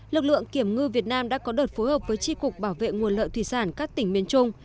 lực lượng kiểm ngư việt nam đã có đợt phối hợp với tri cục bảo vệ nguồn lợi thủy sản các tỉnh miền trung